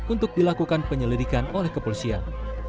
untuk dilakukan penyelidikan oleh kepolisian